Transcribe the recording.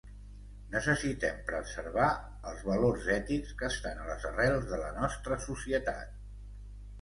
Necessitem preservar els valors ètics que estan a les arrels de la nostra societat.